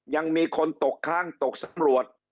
ยังมีคนตกค้างตกสำรวจ